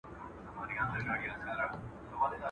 o چي نه دي و له پلار و نيکه، اوس دي نوی ونيوه.